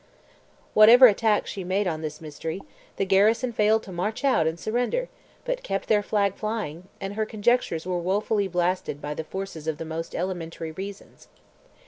Whatever attack she made on this mystery, the garrison failed to march out and surrender but kept their flag flying, and her conjectures were woefully blasted by the forces of the most elementary reasons.